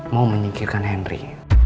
mau menyingkirkan henry